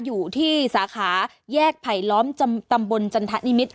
อยู่ที่สาขาแยกไผลล้อมตำบลจันทะนิมิตร